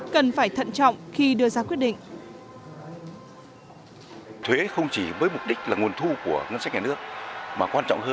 cần phải thận trọng khi đưa ra quyết định